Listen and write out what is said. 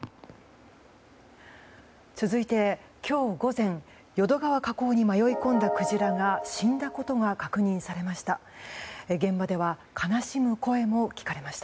続いて今日午前淀川河口に迷い込んだクジラが死んだことが確認されました。